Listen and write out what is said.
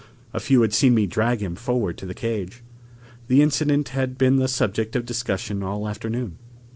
A few had seen me drag him forward to the cage. The incident had been the subject of discussion all afternoon.